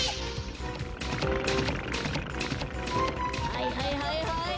はいはいはいはい！